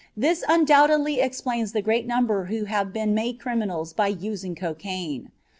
This undoubtedly explains the great number who have been made criminals by using cocaine.